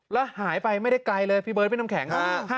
แล้วหายไปไม่ได้ไกลเลยพี่เบิร์ดพี่น้ำแข็ง